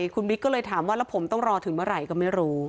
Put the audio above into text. คุณบิ๊กก็เลยถามว่าแล้วผมต้องรอถึงเมื่อไหร่ก็ไม่รู้